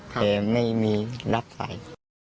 แต่ไม่มีรับสาย